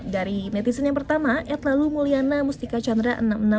dari netizen yang pertama ed lalu mulyana mustika chandra enam ratus enam puluh